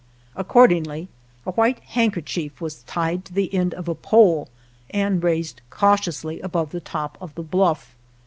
Accordingly a white handkerchief was tied to the end of a pole and raised cautiously above the top of the bluff.